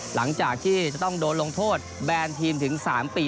หลังจากที่จะต้องโดนลงโทษแบนทีมถึง๓ปี